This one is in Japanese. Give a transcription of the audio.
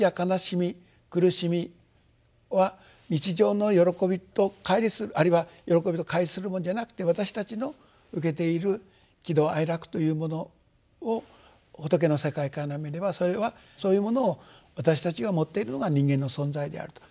苦しみは日常の喜びと乖離するあるいは喜びと乖離するものじゃなくて私たちの受けている喜怒哀楽というものを仏の世界から見ればそれはそういうものを私たちが持っているのが人間の存在であると。